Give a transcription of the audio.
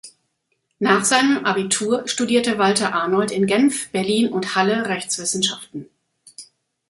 Nach seinem Abitur studierte Walter Arnold in Genf, Berlin und Halle Rechtswissenschaften.